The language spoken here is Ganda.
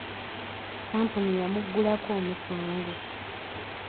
Kampuni yamuggulako omusango.